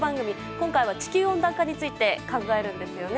今回は地球温暖化について考えるんですよね。